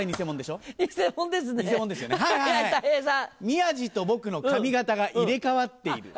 宮治と僕の髪形が入れ替わっている。